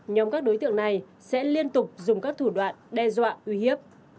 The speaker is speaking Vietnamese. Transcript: nhóm các đối tượng này sẽ liên tục dùng các thủ đoạn đe dọa uy hiếp